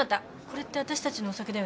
これって私たちのお酒だよね？